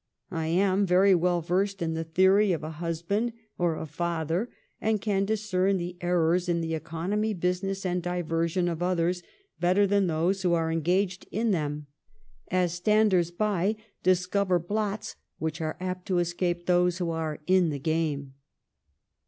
I am very well versed in the theory of a husband, or a father, and can discern the errors in the economy, business, and diversion of others, better than those who are engaged in them ; as standers by discover blots which are apt to escape those who are in the game.'